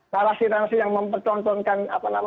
narasi narasi yang mempertontonkan